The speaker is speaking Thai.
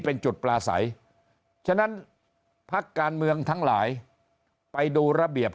เป็นจุดปลาใสฉะนั้นพักการเมืองทั้งหลายไปดูระเบียบ